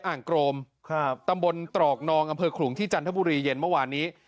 อ่างโกรมครับตำบลตรอกนองอำเภอขลุงที่จันทบุรีเย็นเมื่อวานนี้